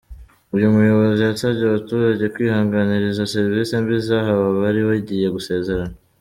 Uyu muyobozi yasabye abaturage kwihanganira izo serivisi mbi zahawe abari bagiye gusezerana.